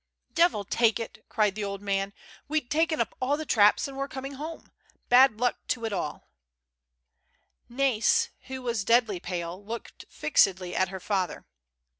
"Devil take it!" cried the old man. "We'd taken up the traps and were coming home. Bad luck to it all 1 " Na'is, who Avas deadly pale, looked fixedly at her father.